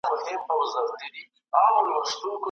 د قیمتونو ټیټوالی د خلکو په ګټه دی.